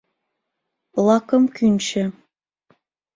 — Лакым кӱнчӧ.